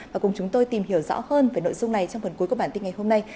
và cùng chúng tôi tìm hiểu rõ hơn về nội dung này trong phần cuối của bản tin ngày hôm nay